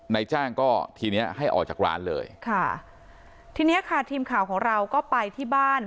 นายจ้างก็ทีเนี้ยให้ออกจากร้านเลยค่ะทีเนี้ยค่ะทีมข่าวของเราก็ไปที่บ้าน